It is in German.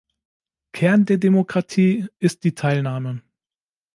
Kern der Demokratie ist die Teilnahme.